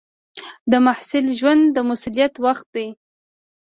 د محصل ژوند د مسؤلیت وخت دی.